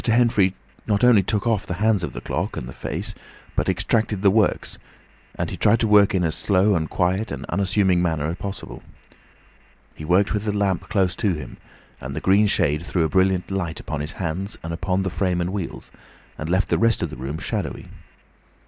Henfrey not only took off the hands of the clock, and the face, but extracted the works; and he tried to work in as slow and quiet and unassuming a manner as possible. He worked with the lamp close to him, and the green shade threw a brilliant light upon his hands, and upon the frame and wheels, and left the rest of the room shadowy.